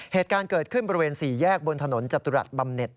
เหตุการณ์เกิดขึ้นบริเวณ๔แยกบนถนนจตุรัสบำเน็ต